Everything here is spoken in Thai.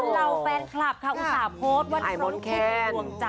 เหล่าแฟนคลับค่ะอุตส่าห์โพธย์วัดพร้อมพี่มนต์แค้น